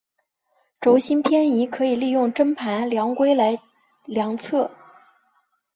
轴心偏移可以利用针盘量规来量测。